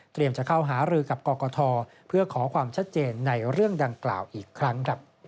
จะเข้าหารือกับกรกฐเพื่อขอความชัดเจนในเรื่องดังกล่าวอีกครั้ง